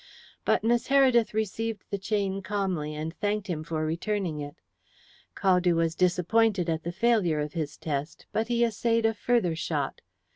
But Miss Heredith received the chain calmly, and thanked him for returning it. Caldew was disappointed at the failure of his test, but he essayed a further shot.